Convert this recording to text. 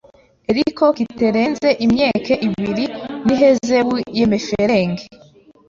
eriko kiterenze imyeke ibiri, n’ihezebu y’emeferenge